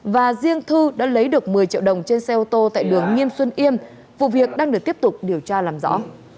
và riêng thư đã lấy được một mươi triệu đồng trên xe ô tô tại đường nghiêm xuân yêm vụ việc đang được tiếp tục điều tra làm rõ